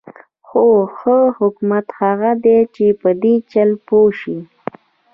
خو ښه حکومت هغه دی چې په دې چل پوه شي.